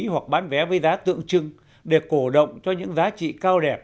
hoặc bán vé với giá tượng trưng để cổ động cho những giá trị cao đẹp